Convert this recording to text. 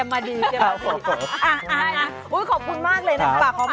อ่าขอบคุณมากเลยนะปากพร้อม